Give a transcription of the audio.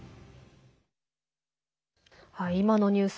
今のニュース